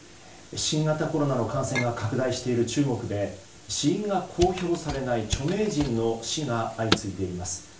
新型コロナの感染が拡大している中国で死因が公表されない著名人の死が相次いでいます。